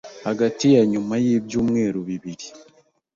hagati ya nyuma y'ibyumweru bibiri